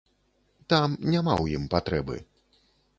Там няма ў ім патрэбы.